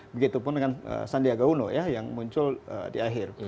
begitupun dengan sandiaga uno ya yang muncul di akhir